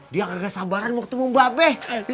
dia gak sabaran waktu mbak be